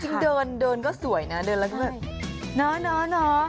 จริงเดินเดินก็สวยนะเดินแล้วก็แบบเนาะ